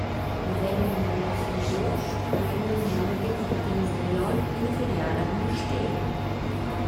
Naven dalla fin d’uost meina Moda Decurtins da Glion ina filiala a Mustér.